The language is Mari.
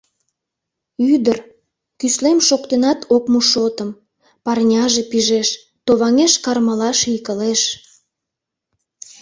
Ӱдыр — кӱслем шоктенат ок му шотым, Парняже пижеш, товаҥеш кармыла ший кылеш.